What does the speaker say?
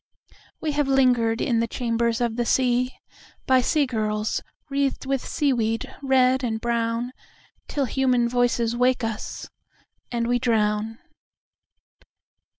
We have lingered in the chambers of the seaBy sea girls wreathed with seaweed red and brownTill human voices wake us, and we drown.